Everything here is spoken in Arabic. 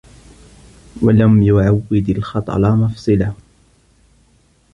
وَلَمْ يُعَوِّدْ الْخَطَلَ مَفْصِلَهُ